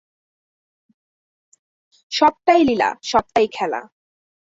সবটাই লীলা, সবই খেলা।